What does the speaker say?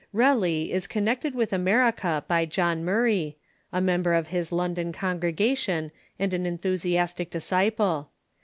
Relly is connected with America by John Murray, a mem ber of his London congregation and an enthusiastic disciple.